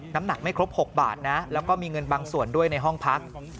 น้ำหนักไม่ครบ๖บาทนะแล้วก็มีเงินบางส่วนด้วยในห้องพัก